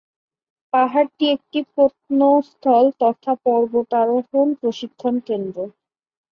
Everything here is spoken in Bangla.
পাহাড়টি একটি প্রত্নস্থল তথা পর্বতারোহণ প্রশিক্ষণ কেন্দ্র।